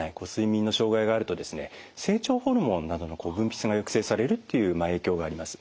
成長ホルモンなどの分泌が抑制されるっていう影響があります。